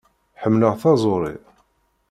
Ḥemmleɣ taẓuṛi.